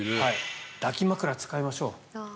抱き枕を使いましょう。